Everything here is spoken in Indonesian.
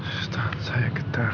sustan saya keter